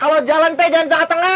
kalau jalan t jangan jalan tengah tengah